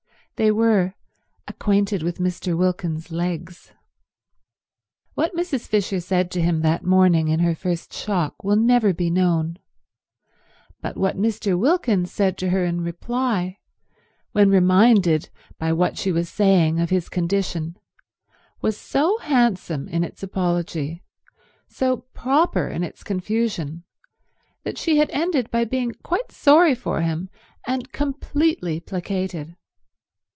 They were acquainted with Mr. Wilkins's legs. What Mrs. Fisher said to him that morning in her first shock will never be known, but what Mr. Wilkins said to her in reply, when reminded by what she was saying of his condition, was so handsome in its apology, so proper in its confusion, that she had ended by being quite sorry for him and completely placated.